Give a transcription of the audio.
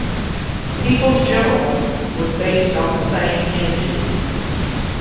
"People's General" was based on the same engine.